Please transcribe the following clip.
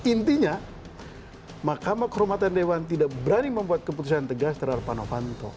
intinya mkd tidak berani membuat keputusan yang tegas terhadap novanto